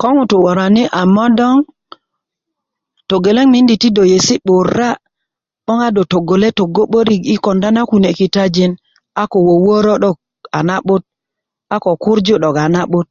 ko ŋutu worani a modoŋ togeleŋ mindi ti do yesi 'bura 'boŋ a do togole togo 'börik i konda na kune kitajin a ko woworo 'dok a na'but a ko kurju 'dok a na'but